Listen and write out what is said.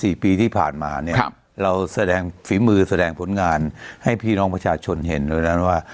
สี่ปีที่ผ่านมาเนี่ยครับเราแสดงฝีมือแสดงผลงานให้พี่น้องประชาชนเห็นตรงนั้นว่า